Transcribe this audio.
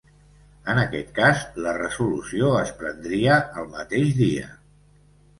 En aquest cas, la resolució es prendria el mateix dia.